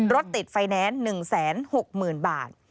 รถติดไฟแนนซ์๑๖๐๐๐บาท